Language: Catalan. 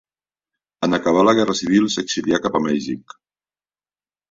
En acabar la guerra civil s'exilià cap a Mèxic.